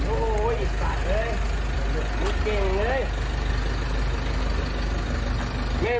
โอ้โฮไอ้สัตว์เฮ้ยหนูเก่งเฮ้ย